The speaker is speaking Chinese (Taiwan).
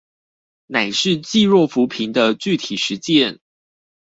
乃是濟弱扶貧的具體實踐